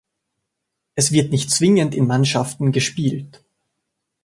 Es wird nicht zwingend in Mannschaften gespielt.